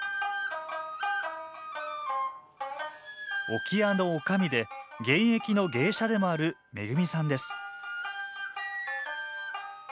置屋のおかみで現役の芸者でもあるめぐみさんです